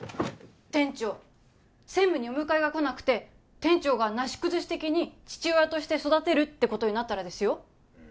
店長専務にお迎えが来なくて店長がなし崩し的に父親として育てるってことになったらですよ